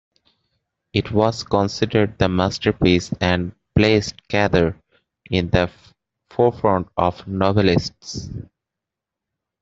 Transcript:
It was considered a masterpiece and placed Cather in the forefront of novelists.